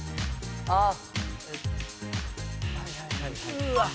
・うーわっ！